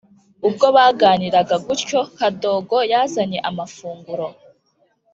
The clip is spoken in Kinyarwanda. ubwo baganiraga guntyo kadogo yazanye amafunguro